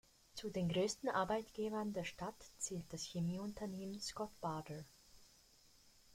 Zu den größten Arbeitgebern der Stadt zählt das Chemieunternehmen Scott Bader.